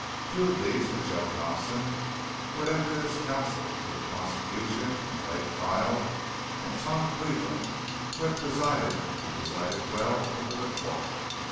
Two of these were Joe Thompson, who had acted as counsel for the prosecution in the late trial, and Tom Cleveland, who had presided, and presided well, over the court.